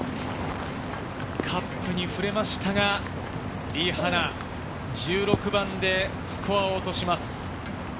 カップに触れましたが、リ・ハナ、１６番でスコアを落とします。